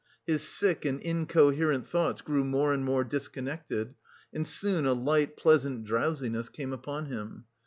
His sick and incoherent thoughts grew more and more disconnected, and soon a light, pleasant drowsiness came upon him.